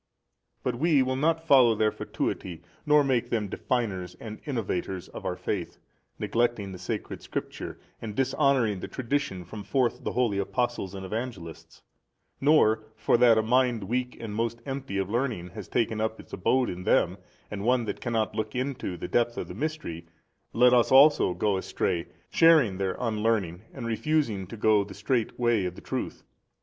But we will not follow their fatuity nor make them definers and innovators 44 of our Faith, neglecting the sacred Scripture and |285 dishonouring the Tradition from forth the holy Apostles and Evangelists: nor, for that a mind weak and most empty of learning has taken up its abode in them, and one that cannot look into the depth of the mystery, let us also go astray, sharing their unlearning and refusing to go the straight way of the truth.